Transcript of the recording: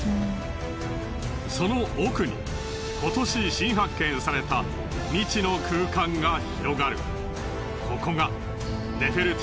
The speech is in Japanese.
その奥に今年新発見された未知の空間が広がる。